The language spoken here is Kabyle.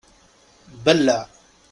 Belleɛ!